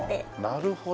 なるほど。